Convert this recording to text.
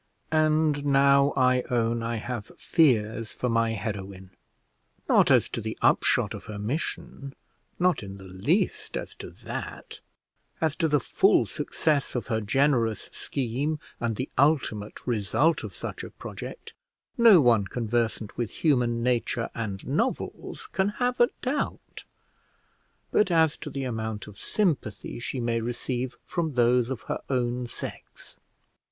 And now I own I have fears for my heroine; not as to the upshot of her mission, not in the least as to that; as to the full success of her generous scheme, and the ultimate result of such a project, no one conversant with human nature and novels can have a doubt; but as to the amount of sympathy she may receive from those of her own sex.